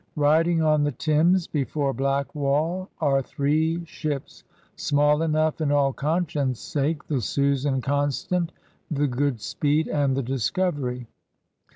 Biding on the Thames, before Blackwall, are three ships, small enough in all conscience' sake, the Susan Constant, the Goodspeed, and the Discovery.